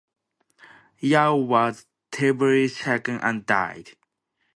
Yao was terribly shaken and died.